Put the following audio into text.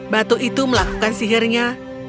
batu itu melakukan sihirnya